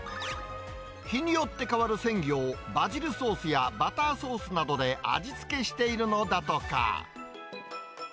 日によって替わる鮮魚をバジルソースやバターソースなどで味付けしているのだとか。